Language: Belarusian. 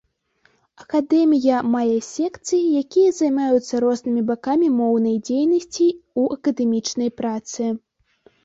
Акадэмія мае секцыі, якія займаюцца рознымі бакамі моўнай дзейнасці ў акадэмічнай працы.